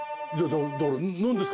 だから「何ですか？」